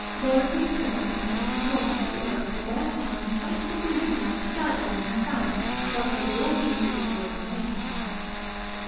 Rarities collected from every corner of the earth were there found in such profusion as to dazzle and confound, but for the order in which they were arranged.